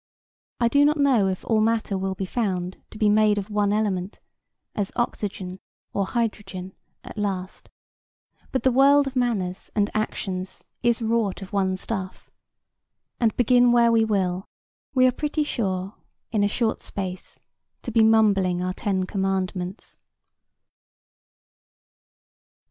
I do not know if all matter will be found to be made of one element, as oxygen or hydrogen, at last, but the world of manners and actions is wrought of one stuff, and begin where we will we are pretty sure in a short space to be mumbling our ten commandments.